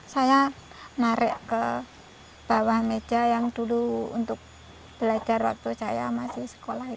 saya narik ke bawah meja yang dulu untuk belajar waktu saya masih sekolah